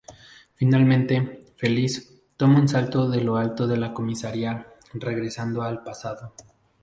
Finalmente, feliz, toma un salto de lo alto de la comisaría, regresando al pasado.